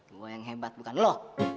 gua yang hebat bukan lo